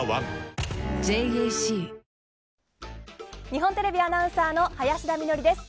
日本テレビアナウンサーの林田美学です。